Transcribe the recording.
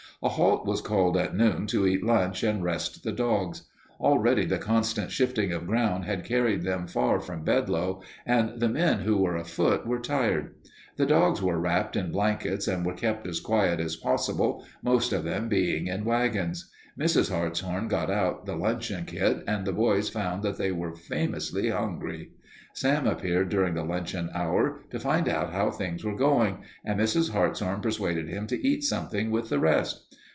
A halt was called at noon to eat lunch and rest the dogs. Already the constant shifting of ground had carried them far from Bedlow and the men who were afoot were tired. The dogs were wrapped in blankets and were kept as quiet as possible, most of them being in wagons. Mrs. Hartshorn got out the luncheon kit and the boys found that they were famously hungry. Sam appeared during the luncheon hour, to find out how things were going, and Mrs. Hartshorn persuaded him to eat something with the rest.